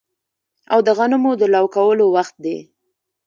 او د غنمو د لو کولو وخت دی